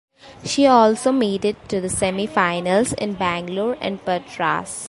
She also made it to the semifinals in Bangalore and Patras.